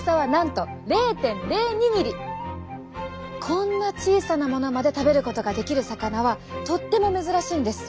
こんな小さなものまで食べることができる魚はとっても珍しいんです。